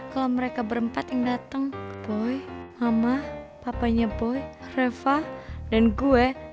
kalau mereka berempat yang datang boy mama papanya boy reva dan gue